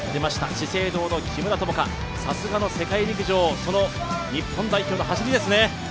資生堂の木村友香、さすがの世界陸上、その日本代表の走りですね。